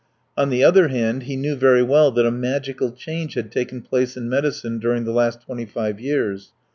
On the other hand, he knew very well that a magical change had taken place in medicine during the last twenty five years.